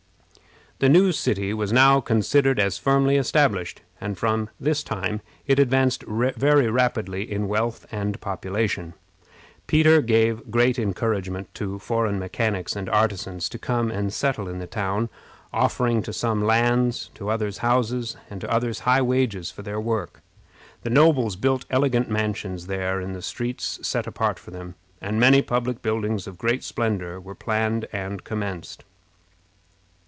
The new city was now considered as firmly established, and from this time it advanced very rapidly in wealth and population. Peter gave great encouragement to foreign mechanics and artisans to come and settle in the town, offering to some lands, to others houses, and to others high wages for their work. The nobles built elegant mansions there in the streets set apart for them, and many public buildings of great splendor were planned and commenced.